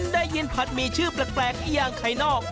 ได้ยินผัดหมี่ชื่อแปลกอย่างไข่นอก